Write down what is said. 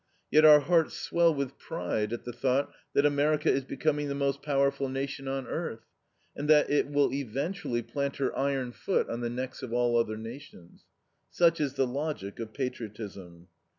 Yet our hearts swell with pride at the thought that America is becoming the most powerful nation on earth, and that it will eventually plant her iron foot on the necks of all other nations. Such is the logic of patriotism.